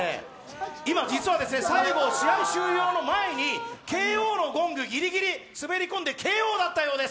今実は、最後、試合終了の前にＫＯのゴング、ギリギリ滑り込んで、ＫＯだったようです。